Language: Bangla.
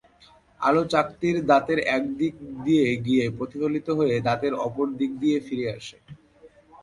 আলো চাকতির দাঁতের এক দিক দিয়ে গিয়ে প্রতিফলিত হয়ে দাঁতের অপর দিক দিয়ে ফিরে আসে।